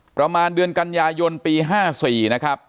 ประมาณเดือนกันยายนปี๕๔นะครับ